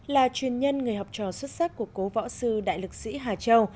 là truyền nhân người học trò xuất sắc của cố võ sư đại lực sĩ hà châu